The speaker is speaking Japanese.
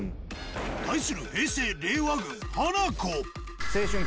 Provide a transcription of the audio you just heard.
対する平成・令和軍、ハナコ。